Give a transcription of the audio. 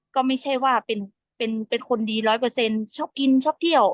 ก็ไม่ใช่ว่าเป็นคนดีร้อยเปอร์เซ็นต์ชอบกินชอบเที่ยว